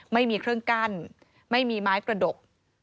ไม่มีเครื่องกั้นไม่มีไม้กระดก